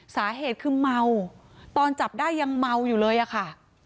สาเหตุคือเมาตอนจับได้ยังเมาอยู่เลยอะค่ะ